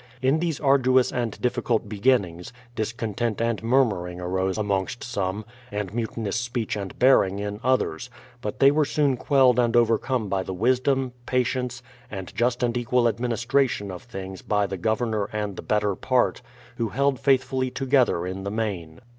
In these arduous and difficult beginnings, discontent and murmuring arose amongst some, and mutinous speech and bearing in others; but they were soon quelled and overcome by the wisdom, patience, and just and equal administration of things by the Governor and the better part, who held faithfully together in the main.